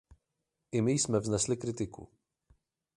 I my jsme vznesli kritiku.